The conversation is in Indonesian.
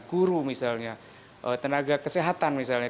guru misalnya tenaga kesehatan misalnya